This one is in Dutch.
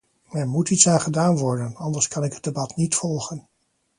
Er moet iets aan gedaan worden, anders kan ik het debat niet volgen.